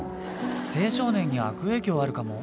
青少年に悪影響あるかも。